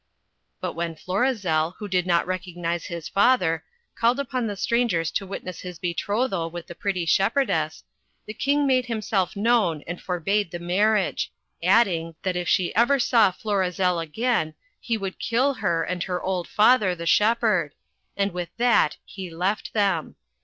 But when Florizel, who did not recognize his father, called upon the strangers to witness his betrothal with the pretty shepherdess, the King made himself known and forbade the marriage, adding, that if she ever saw Florizel again, he would kill her and her old father, the shepherd; and with that he left them.